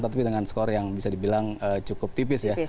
tapi dengan skor yang bisa dibilang cukup tipis ya